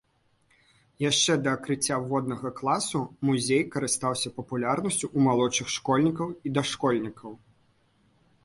Яшчэ да адкрыцця воднага класу музей карыстаўся папулярнасцю ў малодшых школьнікаў і дашкольнікаў.